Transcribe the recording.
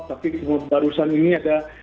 tapi barusan ini ada